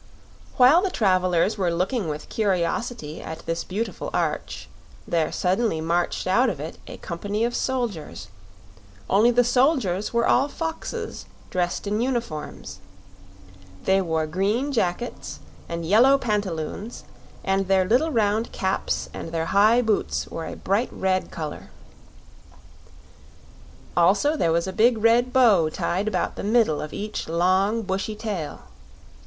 While the travelers were looking with curiosity at this beautiful arch there suddenly marched out of it a company of soldiers only the soldiers were all foxes dressed in uniforms. They wore green jackets and yellow pantaloons, and their little round caps and their high boots were a bright red color. Also, there was a big red bow tied about the middle of each long, bushy tail.